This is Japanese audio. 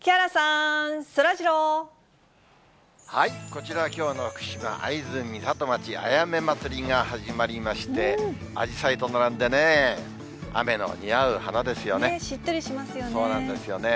こちらはきょうの福島・会津美里町、あやめ祭りが始まりまして、あじさいと並んでね、雨の似合うしっとりしますよね。